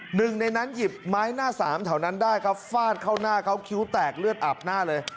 หนึ่งในนั้นหยิบไม้หน้าสามแถวนั้นได้ครับฟาดเข้าหน้าเขาคิ้วแตกเลือดอับหน้าเลย